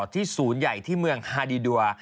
ที่ศูนย์ใหญ่ที่เมืองฮาดีดัว